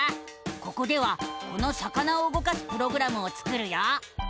ここではこの魚を動かすプログラムを作るよ！